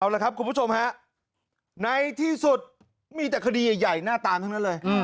เอาละครับคุณผู้ชมฮะในที่สุดมีแต่คดีใหญ่น่าตามทั้งนั้นเลย